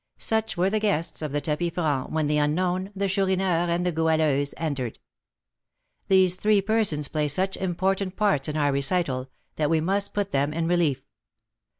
Such were the guests of the tapis franc when the unknown, the Chourineur, and the Goualeuse entered. These three persons play such important parts in our recital, that we must put them in relief.